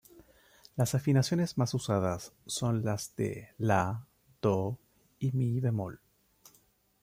Las afinaciones más usadas son las de "la", "do" y "mi" bemol.